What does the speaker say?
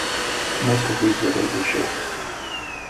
Most of these rivers are short.